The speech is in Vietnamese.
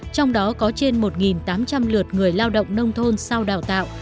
trong đó có trên một tám trăm linh lượt người lao động nông thôn sau đào tạo